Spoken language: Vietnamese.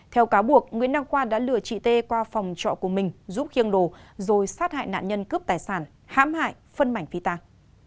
theo cáo buộc nguyễn đăng khoa đã lừa chị t qua phòng trọ của mình giúp khiêng đồ rồi sát hại nạn nhân cướp tài sản hãm hại phân mảnh phi tàng